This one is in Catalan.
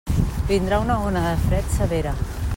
Vindrà una ona de fred severa.